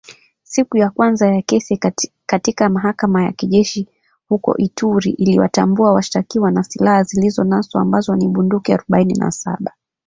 Siku ya kwanza ya kesi katika mahakama ya kijeshi huko Ituri iliwatambua washtakiwa na silaha zilizonaswa ambazo ni bunduki arubaini na saba